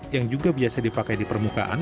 yang juga biasa dipakai di permukaan